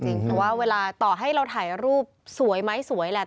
เพราะว่าเวลาต่อให้เราถ่ายรูปสวยไหมสวยแหละ